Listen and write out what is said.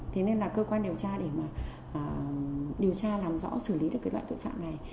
thế nên là cơ quan điều tra để mà điều tra làm rõ xử lý được cái loại tội phạm này